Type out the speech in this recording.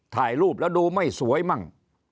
ถ่ายรูปแล้วดูไม่สวยมั่ง